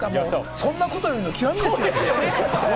そんなことよりの極みですね。